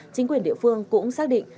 chính quyền địa phương cũng xác định